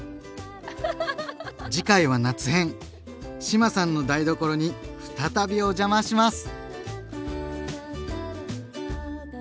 志麻さんの台所に再びお邪魔します！